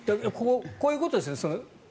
こういうことですよね。